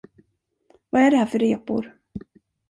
Vad är det här för repor?